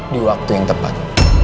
di waktu yang tepat